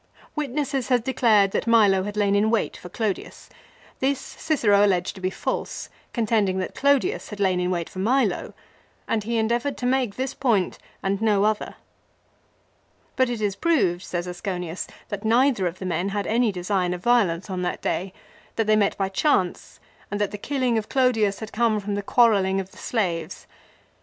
Witnesses had declared that Milo had lain in wait for Clodius. This Cicero alleged to be false, contending that Clodius had lain in wait for Milo, and he endeavoured to make this point and no other. But it is proved, says Asconius, that neither of the men had any design of violence on that day ; that they met by chance, and that the killing of Clodius had come from the quarrelling of the slaves.